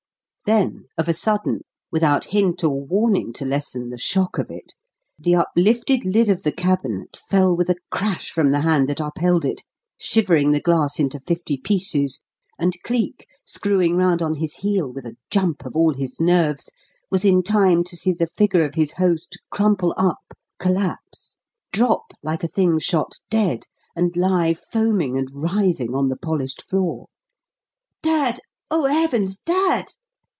Then, of a sudden, without hint or warning to lessen the shock of it, the uplifted lid of the cabinet fell with a crash from the hand that upheld it, shivering the glass into fifty pieces, and Cleek, screwing round on his heel with a "jump" of all his nerves, was in time to see the figure of his host crumple up, collapse, drop like a thing shot dead, and lie foaming and writhing on the polished floor. "Dad! Oh, heavens! Dad!"